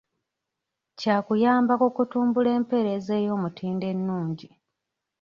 Kya kuyamba ku kutumbula empeereza ey'omutindo ennungi.